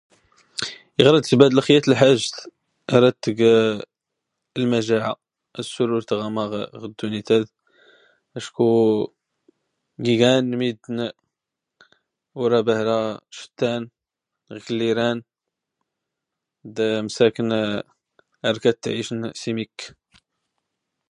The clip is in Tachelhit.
Iɣ ad sbadlɣ yat lḥajt, rad tg lmajaɛa, ad sul ur tɣama ɣ ddunit ad, acku gigan n middn ur a bahra cttan ɣiklli ran, d msakn ar ka ttɛicn s imikk.